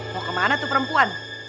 mau kemana tuh perempuan